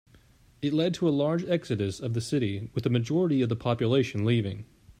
It led to a large exodus of the city, with a majority of the population leaving.